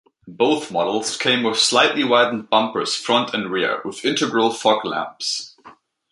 Both models came with slightly widened bumpers front and rear with integral fog lamps.